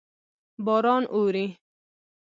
باران اوري.